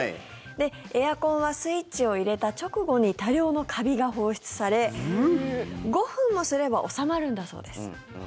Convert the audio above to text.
エアコンはスイッチを入れた直後に多量のカビが放出され５分もすれば収まるんだそうです。